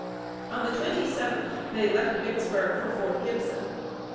On the twenty seventh, they left Vicksburg for Fort Gibson.